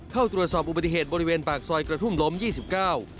เข้าตรวจสอบอุบัติเหตุบริเวณปากซอยกระทุ่มล้มยี่สิบเก้า